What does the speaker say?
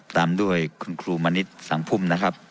ตามด้วยคุณครูมณิษฐ์สังพุ่มนะครับ